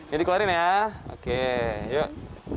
ini dikeluarin ya oke yuk